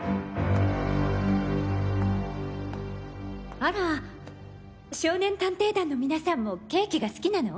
あら少年探偵団の皆さんもケーキが好きなの？